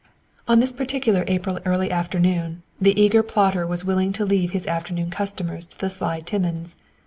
On this particular April early afternoon, the eager plotter was willing to leave his afternoon customers to the sly Timmins.